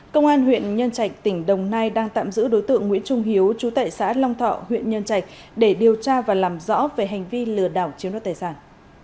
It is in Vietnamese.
công an huyện nhân trạch tỉnh đồng nai đang tạm giữ đối tượng nguyễn trung hiếu trú tại xã long thọ huyện nhân trạch để điều tra và làm rõ về hành vi lừa đảo chiếm đoạt tài sản